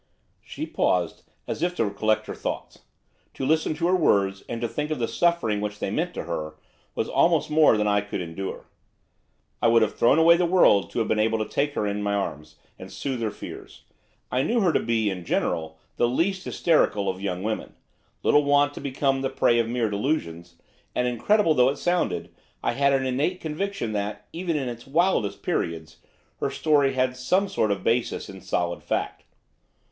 She paused, as if to collect her thoughts. To listen to her words, and to think of the suffering which they meant to her, was almost more than I could endure. I would have thrown away the world to have been able to take her in my arms, and soothe her fears. I knew her to be, in general, the least hysterical of young women; little wont to become the prey of mere delusions; and, incredible though it sounded, I had an innate conviction that, even in its wildest periods, her story had some sort of basis in solid fact.